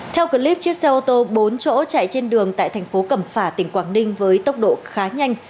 theo clip chiếc xe ô tô bốn chỗ chạy trên đường tại thành phố cẩm phả tỉnh quảng ninh với tốc độ khá nhanh